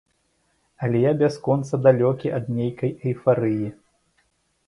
Але я бясконца далёкі ад нейкай эйфарыі.